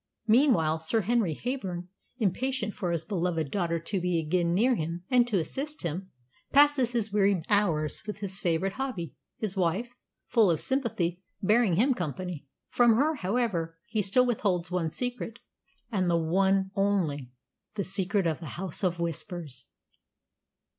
Meanwhile, Sir Henry Heyburn, impatient for his beloved daughter to be again near him and to assist him, passes his weary hours with his favourite hobby; his wife, full of sympathy, bearing him company. From her, however, he still withholds one secret, and one only the Secret of the House of Whispers.